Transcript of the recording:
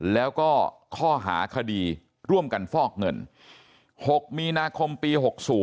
แล้วก็ข้อหาคดีร่วมกันฟอกเงิน๖มีนาคมปี๖๐